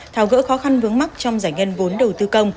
thao gỡ khó khăn vướng mắt trong giải ngân vốn đầu tư cầm